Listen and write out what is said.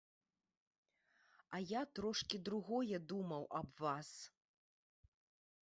А я трошкі другое думаў аб вас.